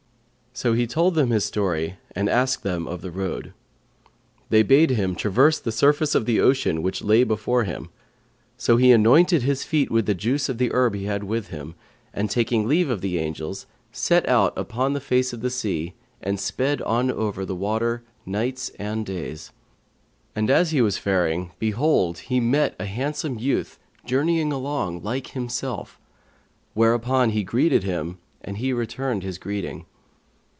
So he told them his story and asked them of the road. They bade him traverse the surface of the ocean which lay before him: so he anointed his feet with the juice of the herb he had with him, and taking leave of the angels, set out upon the face of the sea and sped on over the water nights and days; and as he was faring, behold, he met a handsome youth journeying along like himself, whereupon he greeted him and he returned his greeting.